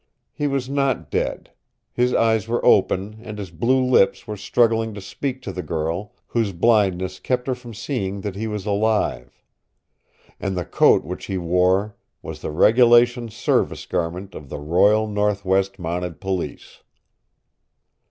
He was not dead. His eyes were open, and his blue lips were struggling to speak to the girl whose blindness kept her from seeing that he was alive. And the coat which he wore was the regulation service garment of the Royal Northwest Mounted Police!